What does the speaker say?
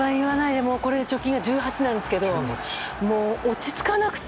これで貯金が１８なんですけどもう、落ち着かなくて。